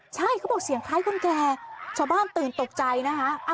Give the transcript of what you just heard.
ใช่เขาบอกเสียงคล้ายคนแก่ชาวบ้านตื่นตกใจนะคะ